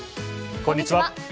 こんにちは。